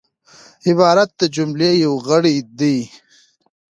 عبارت د جملې یو غړی دئ.